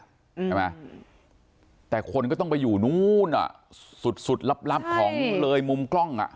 ใช่ไหมแต่คนก็ต้องไปอยู่นู้นอ่ะสุดสุดลับลับของเลยมุมกล้องอ่ะ